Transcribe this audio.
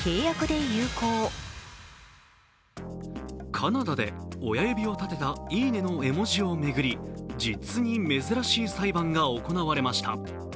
カナダで、親指を立てた「いいね」の絵文字を巡り、実に珍しい裁判が行われました。